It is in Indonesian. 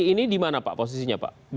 ini dimana pak posisinya pak